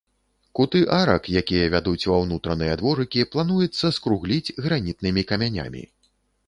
Куты арак, якія вядуць ва ўнутраныя дворыкі, плануецца скругліць гранітнымі камянямі.